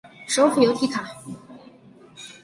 首府由提卡。